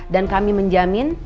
dan kami menjamin